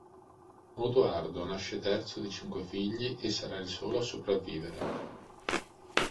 Odoardo nasce terzo di cinque figli e sarà il solo a sopravvivere.